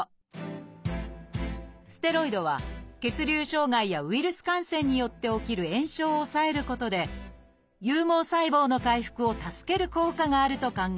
ステロイドは血流障害やウイルス感染によって起きる炎症を抑えることで有毛細胞の回復を助ける効果があると考えられています。